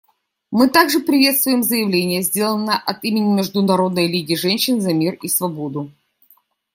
Мы также приветствуем заявление, сделанное от имени Международной лиги женщин за мир и свободу.